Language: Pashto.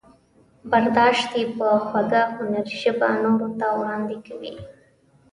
برداشت یې په خوږه هنري ژبه نورو ته وړاندې کوي.